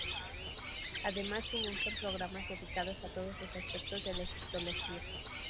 Además financian programas dedicados a todos los aspectos de la egiptología.